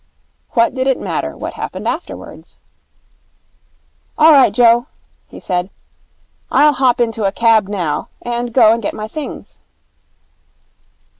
What did it matter what happened afterwards? 'All right, Joe,' he said. 'I'll hop into a cab now, and go and get my things.'